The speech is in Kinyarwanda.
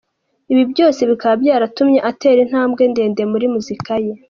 ibi byose bikaba byaratumye atera intambwe ndende muri muzika ye.